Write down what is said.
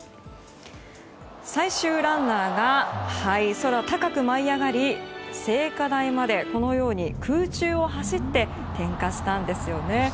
最終ランナーが空高く舞い上がり聖火台まで空中を走って点火したんですよね。